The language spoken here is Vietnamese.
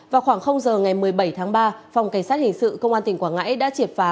vào khoảng giờ ngày một mươi bảy tháng ba phòng cảnh sát hình sự công an tỉnh quảng ngãi đã triệt phá